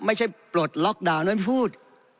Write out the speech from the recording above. ไม่ใช่ปลดล็อกดาวน์ไม่พูด